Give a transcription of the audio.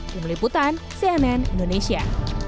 kemeliputan cnn indonesia